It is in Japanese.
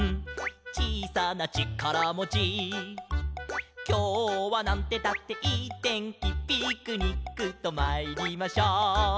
「ちいさなちからもち」「きょうはなんてったっていいてんき」「ピクニックとまいりましょう」